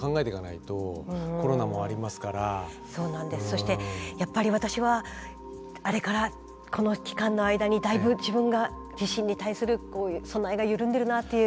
そしてやっぱり私はあれからこの期間の間にだいぶ自分が地震に対する備えが緩んでるなという。